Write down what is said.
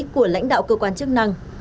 của lãnh đạo cơ quan chức năng